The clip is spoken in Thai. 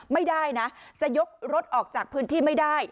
ไม่ได้นะจะยกรถออกจากพื้นที่ไม่ได้